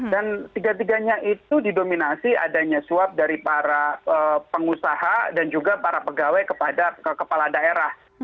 dan tiga tiganya itu didominasi adanya suap dari para pengusaha dan juga para pegawai kepada kepala daerah